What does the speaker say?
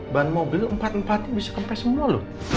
ban mobil empat empatnya bisa kempes semua loh